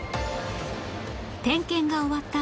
点検が終わった